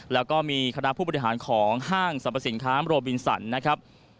แล้วก็มีคณะผู้บริหารของห้างสรรพสินค้าโรบินสันนะครับ